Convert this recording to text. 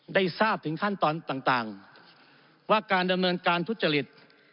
ได้ทราบถึงขั้นตอนต่างว่าการดำเนินการทุจริต